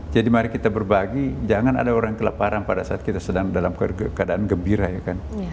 jadi mari kita berbagi jangan ada orang yang kelaparan pada saat kita sedang dalam keadaan gembira ya kan